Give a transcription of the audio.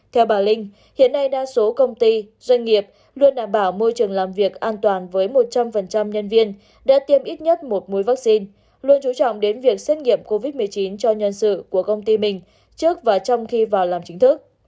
theo bà linh hiện nay đa số công ty doanh nghiệp luôn đảm bảo môi trường làm việc an toàn với một trăm linh nhân viên đã tiêm ít nhất một mũi vaccine luôn chú trọng đến việc xét nghiệm covid một mươi chín cho nhân sự của công ty mình trước và trong khi vào làm chính thức